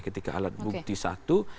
ketika alat bukti satu